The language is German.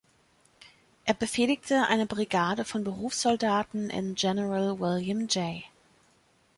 Er befehligte eine Brigade von Berufssoldaten in General William J.